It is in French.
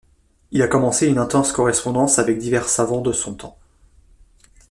Il a commencé une intense correspondance avec divers savants de son temps.